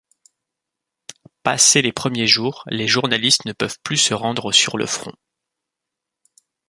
Passé les premiers jours, les journalistes ne peuvent plus se rendre sur le front.